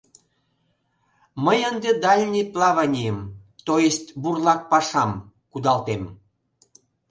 Мый ынде дальний плаванийым, тойысть бурлак пашам, кудалтем.